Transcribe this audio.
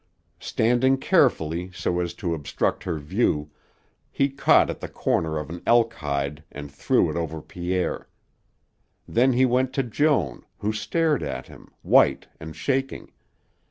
Standing carefully so as to obstruct her view, he caught at the corner of an elk hide and threw it over Pierre. Then he went to Joan, who stared at him, white and shaking.